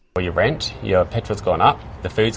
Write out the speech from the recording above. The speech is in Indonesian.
pembelian petrol makanan apa yang terjadi